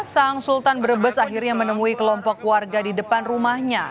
sang sultan brebes akhirnya menemui kelompok warga di depan rumahnya